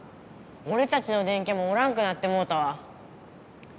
おれたちの電キャもおらんくなってもうたわ。